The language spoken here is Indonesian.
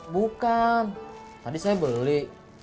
bukan tadi saya beli